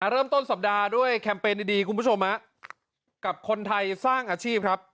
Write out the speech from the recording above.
เริ่มต้นสัปดาห์ด้วยแคมเปญดีคุณผู้ชมกับคนไทยสร้างอาชีพครับ